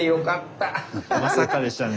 まさかでしたね。